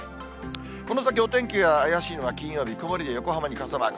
この先、お天気怪しいのは金曜日、曇りで横浜に傘マーク。